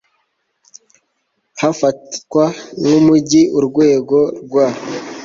hafatwa nk Umujyi urwego rwa